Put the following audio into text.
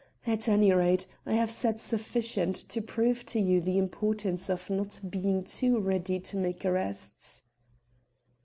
At any rate, I have said sufficient to prove to you the importance of not being too ready to make arrests."